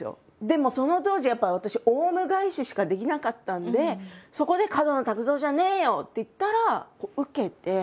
でもその当時やっぱり私オウム返ししかできなかったんでそこで「角野卓造じゃねーよ！」って言ったらウケて。